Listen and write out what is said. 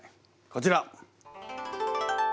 こちら！